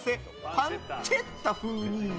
パンチェッタ風に。